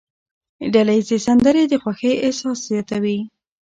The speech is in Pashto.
ډلهییزې سندرې د خوښۍ احساس زیاتوي.